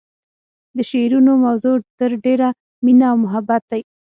د شعرونو موضوع تر ډیره مینه او محبت دی